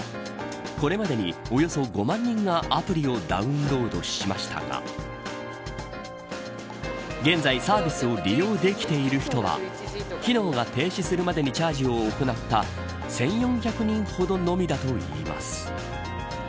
これまでにおよそ５万人がアプリをダウンロードしましたが現在サービスを利用できている人は機能が停止するまでにチャージを行った１４００人ほどのみだといいます。